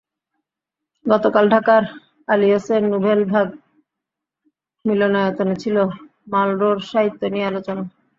গতকাল ঢাকার আলিয়ঁসের নুভেল ভাগ মিলনায়তনে ছিল মালরোর সাহিত্য নিয়ে আলোচনা।